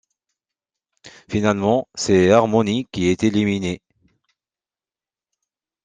Finalement, c'est Harmony qui est éliminée.